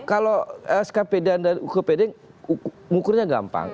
kalau skpd dan ukpd ngukurnya gampang